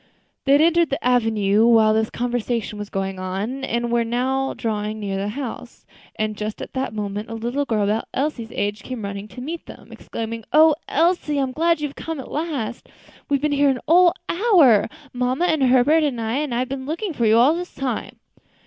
They had entered the avenue while this conversation was going on, and were now drawing near the house; and just at this moment a little girl about Elsie's age came running to meet them, exclaiming, "O Elsie! I'm glad you've come at last. We've been here a whole hour mamma, and Herbert, and I and I've been looking for you all this time."